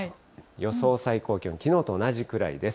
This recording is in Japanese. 予想最高気温、きのうと同じくらいです。